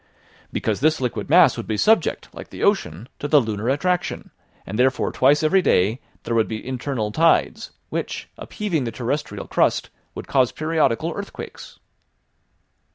"Because this liquid mass would be subject, like the ocean, to the lunar attraction, and therefore twice every day there would be internal tides, which, upheaving the terrestrial crust, would cause periodical earthquakes!"